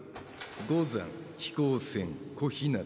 五山飛行船小日向